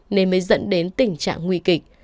nên mới dẫn đến tình trạng nguy kịch